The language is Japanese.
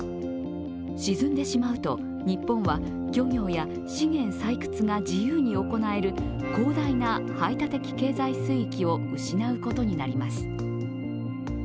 沈んでしまうと、日本は漁業や資源採掘が自由に行える広大な排他的経済水域を失うことになります。